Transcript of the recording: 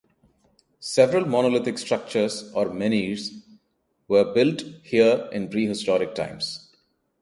Several monolithic structures or menhirs were built here in prehistoric times.